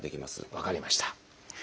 分かりました。